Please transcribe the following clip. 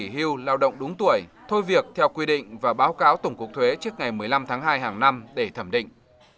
hàng năm để thẩm định